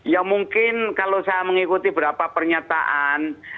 ya mungkin kalau saya mengikuti berapa pernyataan